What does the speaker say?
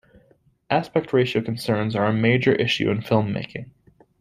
Aspect ratio concerns are a major issue in film making.